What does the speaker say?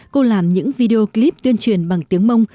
cô làm những video clip tuyên truyền bằng tiếng mông